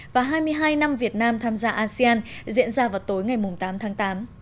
và hai mươi hai năm việt nam tham gia asean diễn ra vào tối ngày tám tháng tám